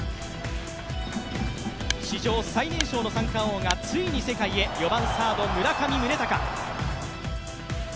史上最年少の三冠王がついに世界へ４番サード・村上宗隆。